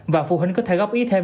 và phụ huynh có thể góp ý thêm